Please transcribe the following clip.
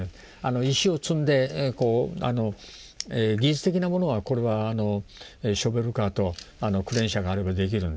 石を積んで技術的なものはこれはショベルカーとクレーン車があればできるんですね。